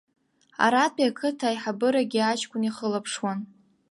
Аратәи ақыҭа аиҳабырагьы аҷкәын ихылаԥшуан.